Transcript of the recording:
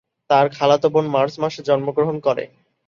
তার খালাতো বোন মার্চ মাসে জন্মগ্রহণ করে।